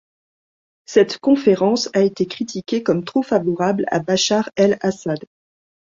Cette conférence a été critiquée comme trop favorable à Bachar el-Assad.